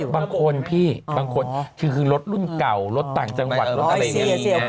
บางคนพี่บางคนคือรถรุ่นเก่ารถต่างจังหวัดรถอะไรอย่างนี้